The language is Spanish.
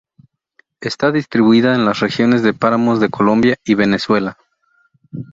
Está distribuida en las regiones de páramos de Colombia y Venezuela.